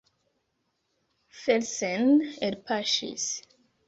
Felsen elpaŝis.